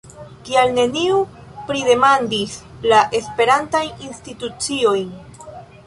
Kial neniu pridemandis la esperantajn instituciojn?